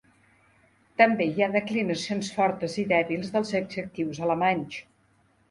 També hi ha declinacions fortes i dèbils dels adjectius alemanys.